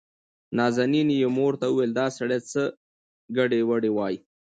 نازنين يې مور ته وويل دا سړى څه ګډې وډې وايي.